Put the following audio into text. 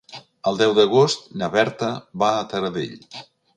El deu d'agost na Berta va a Taradell.